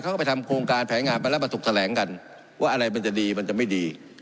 เขาก็ไปทำโครงการแผนงานไปแล้วมาถูกแถลงกันว่าอะไรมันจะดีมันจะไม่ดี